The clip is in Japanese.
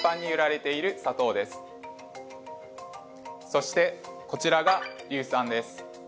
そしてこちらが硫酸です。